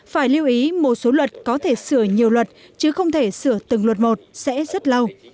phải lưu ý một số luật có thể sửa nhiều luật chứ không thể sửa từng luật một sẽ rất lâu